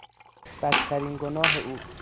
بدترین گناه او